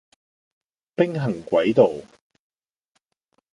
兵行詭道